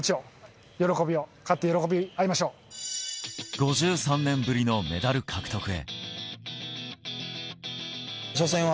５３年ぶりのメダル獲得へ。